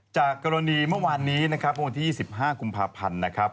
จากกรณีเมื่อวานนี้นะครับเมื่อวันที่๒๕กุมภาพันธ์นะครับ